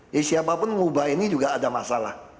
jadi siapapun mengubah ini juga ada masalah